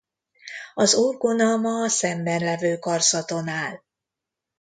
Az orgona ma a szemben levő karzaton áll.